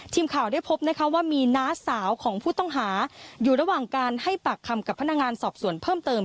ทีมข่าวได้พบนะคะว่ามีน้าสาวของผู้ต้องหาอยู่ระหว่างการให้ปากคำกับพนักงานสอบสวนเพิ่มเติม